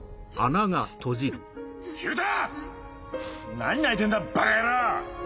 何泣いてんだバカ野郎！